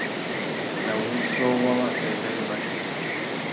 Nà wuchiô wa wabêbêrê matê.